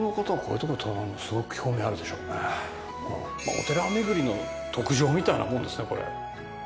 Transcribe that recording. お寺巡りの特上みたいなもんですねこれ。